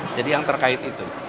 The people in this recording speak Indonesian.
jadi yang terkait itu